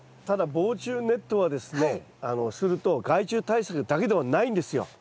ただ防虫ネットはですねすると害虫対策だけではないんですよ。